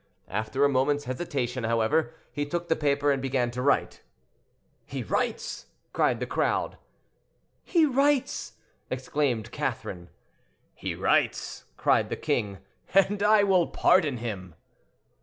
After a moment's hesitation, however, he took the paper and began to write. "He writes!" cried the crowd. "He writes!" exclaimed Catherine. "He writes!" cried the king, "and I will pardon him."